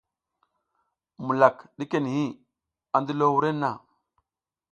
Mulak ɗike niʼhi, a ndilo wurenna.